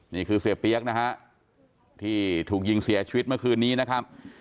นี่คือเสียเปี๊ยกนะฮะที่ถูกยิงเสียชีวิตเมื่อคืนนี้นะครับ